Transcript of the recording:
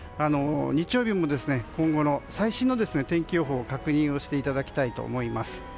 日曜日も今後の最新の天気予報を確認していただきたいと思います。